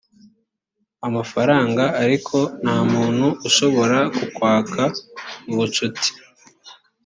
amafaranga ariko nta muntu ushobora kukwaka ubucuti